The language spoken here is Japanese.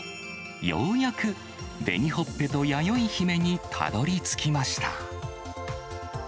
ようやく紅ほっぺとやよいひめにたどりつきました。